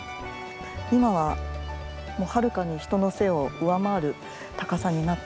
今ははるかに人の背を上回る高さになってますからね。